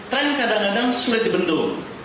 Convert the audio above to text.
tren kadang kadang sulit dibentuk